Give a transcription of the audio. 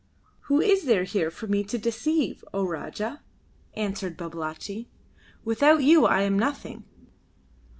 "Who is there here for me to deceive, O Rajah?" answered Babalatchi. "Without you I am nothing.